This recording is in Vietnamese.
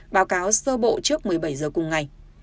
báo cáo sơ bộ trước một mươi bảy h cùng ngày